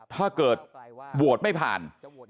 ถ้าเกิดโหวตไม่ผ่าน